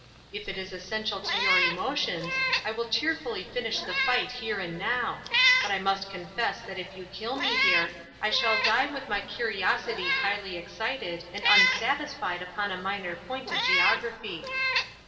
If it is essential to your emotions, I will cheerfully finish the fight here and now; but I must confess that if you kill me here I shall die with my curiosity highly excited and unsatisfied upon a minor point of geography."